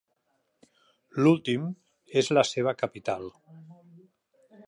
L'últim és la seva capital.